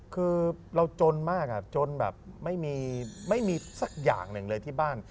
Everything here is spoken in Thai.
คือเราจนมากจนแบบไม่มีสักอย่างหนึ่งเลยที่บ้าน